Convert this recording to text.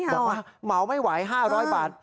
บอกว่าเหมาไม่ไหว๕๐๐บาท